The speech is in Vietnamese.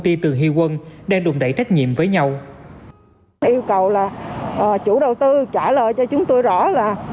ty từ hy quân đang đùn đẩy trách nhiệm với nhau yêu cầu là chủ đầu tư trả lời cho chúng tôi rõ là